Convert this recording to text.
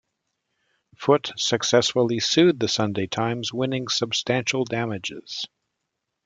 Foot successfully sued the "Sunday Times", winning "substantial" damages.